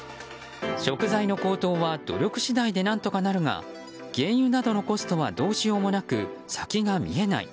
食材の高騰は努力次第で何とかなるが原油などのコストはどうしようもなく、先が見えない。